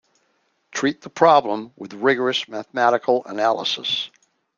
Treat the problem with rigorous mathematical analysis.